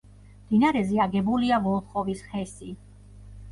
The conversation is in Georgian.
მდინარეზე აგებულია ვოლხოვის ჰესი.